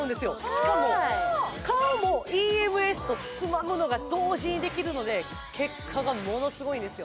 しかも顔もＥＭＳとつまむのが同時にできるので結果がものすごいんですよ